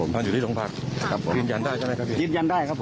ไม่มีครับไม่มีไม่มีครับ